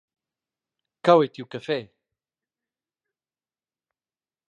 Cheu tiu caffè.